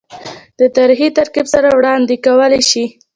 دَ تاريخي ترتيب سره وړاند ې کولے شي